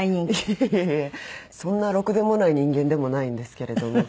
そんなろくでもない人間でもないんですけれども。